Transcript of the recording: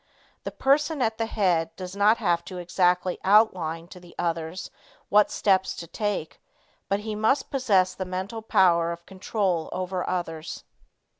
The person at the head does not have to exactly outline to the others what steps to take, but he must possess the mental power of control over others.